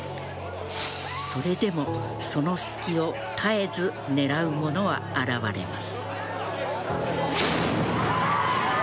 それでも、その隙を絶えず狙う者は現れます。